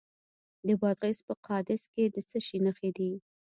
د بادغیس په قادس کې د څه شي نښې دي؟